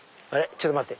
ちょっと待って。